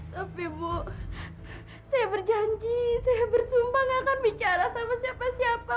tapi bu saya berjanji saya bersumbang akan bicara sama siapa siapa